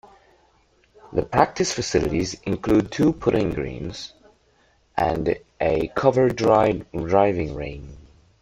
The practice facilities include two putting greens and a covered driving range.